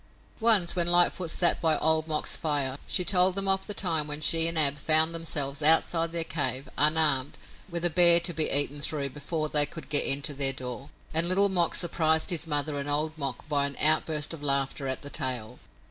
Once, when Lightfoot sat by Old Mok's fire, she told them of the time when she and Ab found themselves outside their cave, unarmed, with a bear to be eaten through before they could get into their door, and Little Mok surprised his mother and Old Mok by an outburst of laughter at the tale.